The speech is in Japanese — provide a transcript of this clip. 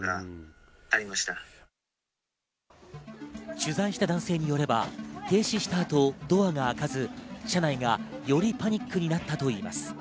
取材した男性によれば停止した後、ドアが開かず、車内がよりパニックになったといいます。